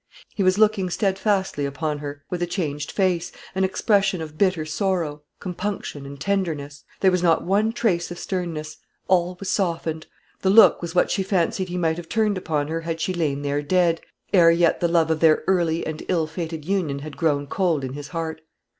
He was looking steadfastly upon her, with a changed face, an expression of bitter sorrow, compunction, and tenderness. There was not one trace of sternness; all was softened. The look was what she fancied he might have turned upon her had she lain there dead, ere yet the love of their early and ill fated union had grown cold in his heart.